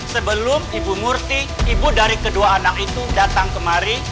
sebelum ibu murti ibu dari kedua anak itu datang kemari